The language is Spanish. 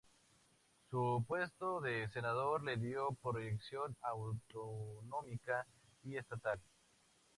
Su puesto de senador le dio proyección autonómica y estatal.